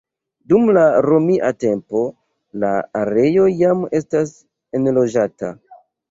Dum la Romia tempo la areo jam estas enloĝata.